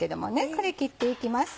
これ切っていきます。